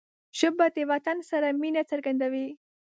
ژبه د وطن سره مینه څرګندوي